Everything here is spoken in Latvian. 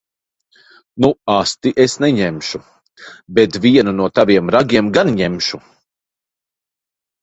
Nu asti es neņemšu. Bet vienu no taviem ragiem gan ņemšu.